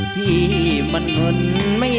แล้วอันนี้